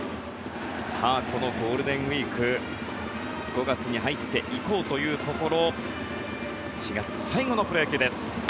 このゴールデンウィーク５月に入っていこうというところ４月最後のプロ野球です。